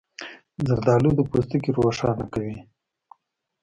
زردالو د پوستکي روښانه کوي.